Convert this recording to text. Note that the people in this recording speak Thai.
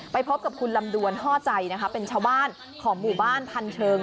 พบกับคุณลำดวนฮ่อใจนะคะเป็นชาวบ้านของหมู่บ้านพันเชิง